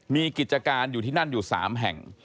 มีกิจการอยู่ที่นั่นอยู่๓แห่ง